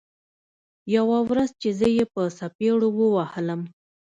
يوه ورځ چې زه يې په څپېړو ووهلم.